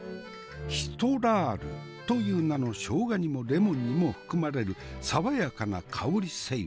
シトラールという名の生姜にもレモンにも含まれる爽やかな香り成分。